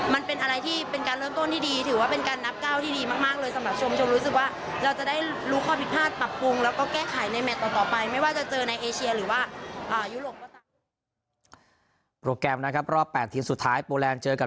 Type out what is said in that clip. มันเป็นอะไรที่เป็นการเริ่มต้นที่ดีถือว่าเป็นการนับก้าวที่ดีมากเลยสำหรับชม